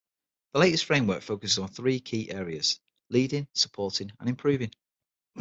The latest framework focuses on three key areas: leading, supporting and improving.